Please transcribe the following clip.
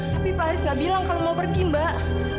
tapi pak aris nggak bilang kalau mau pergi mbak